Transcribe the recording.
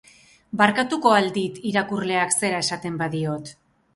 Barkatuko ahal dit irakurleak zera esaten badiot.